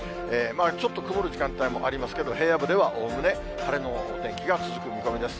ちょっと曇る時間帯もありますけど、平野部ではおおむね晴れのお天気が続く見込みです。